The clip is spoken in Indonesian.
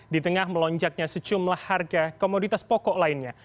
di tengah melonjaknya secumlah harga komoditas pokok lainnya